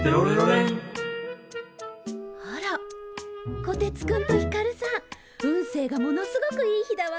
あらコテツくんとひかるさん運勢がものすごくいい日だわ。